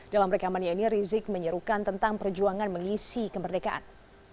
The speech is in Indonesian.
dalam rekamannya ini rizik menyerukan tentang perjuangan mengisi kemerdekaan